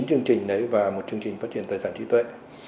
một trường trình đấy và một trường trình phát triển tài sản trí tuệ